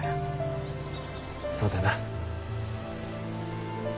そうだな。